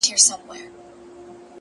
o چي شال يې لوند سي د شړۍ مهتاجه سينه،